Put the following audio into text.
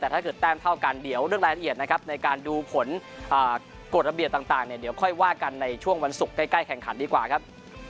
แต่ถ้าเกิดแต้มเท่ากันเดี๋ยวเรื่องรายละเอียดนะครับในการดูผลกฎระเบียบต่างเนี่ยเดี๋ยวค่อยว่ากันในช่วงวันศุกร์ใกล้แข่งขันดีกว่าครับ